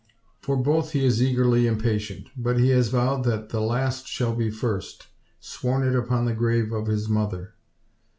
For both he is eagerly impatient; but he has vowed that the last shall be first sworn it upon the grave of his mother.